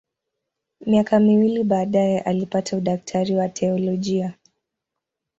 Miaka miwili baadaye alipata udaktari wa teolojia.